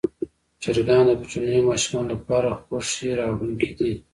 چرګان د کوچنیو ماشومانو لپاره خوښي راوړونکي دي.